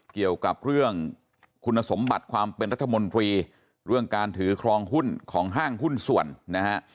เกี่ยวกับเรื่องคุณสมบัติความเป็นรัฐมนตรีเรื่องการถือครองหุ้นของห้างหุ้นส่วนนะฮะ